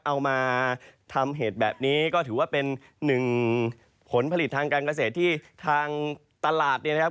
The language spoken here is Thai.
เอามาทำเหตุแบบนี้ก็ถือว่าเป็นหนึ่งผลผลิตทางการเกษตรที่ทางตลาดเนี่ยนะครับ